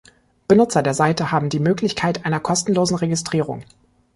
Benutzer der Seite haben die Möglichkeit einer kostenlosen Registrierung.